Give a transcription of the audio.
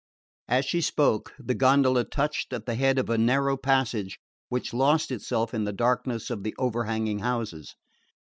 As she spoke the gondola touched at the head of a narrow passage which lost itself in the blackness of the overhanging houses.